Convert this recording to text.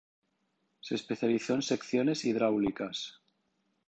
Se especializó en Secciones Hidráulicas.